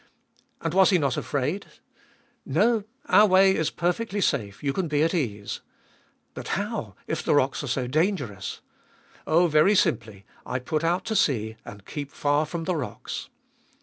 And was he not afraid ?— No ; our way is perfectly safe ; you can be at ease. But how, if the rocks are so dangerous ? Oh, very simply !— I put out to sea, and keep far from, the rocks.